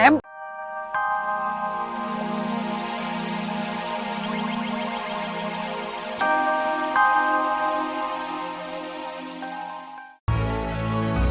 maan ya tuh orang